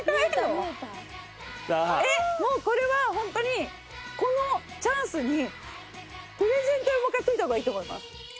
えっもうこれはホントにこのチャンスにプレゼント用も買っておいた方がいいと思います。